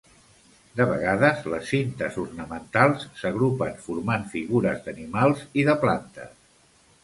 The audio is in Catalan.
De vegades, les cintes ornamentals s'agrupen formant figures d'animals i de plantes.